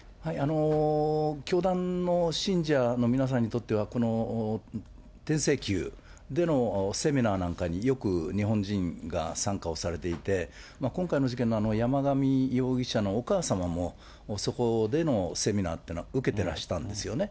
教団の信者の皆さんにとっては、この天正宮セミナーなんかによく日本人が参加をされていて、今回の事件の山上容疑者のお母様も、そこでのセミナーっていうのは受けてらしたんですよね。